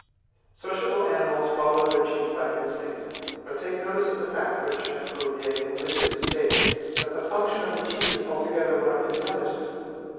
Sociable animals follow their chief by INSTINCT; but take notice of the fact (which F. Cuvier omitted to state), that the function of the chief is altogether one of INTELLIGENCE.